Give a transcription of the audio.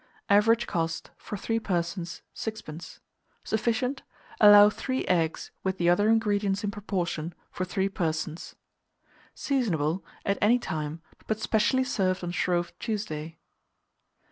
Average cost, for 3 persons, 6d. Sufficient. Allow 3 eggs, with the other ingredients in proportion, for 3 persons. Seasonable at any time, but specially served on Shrove Tuesday.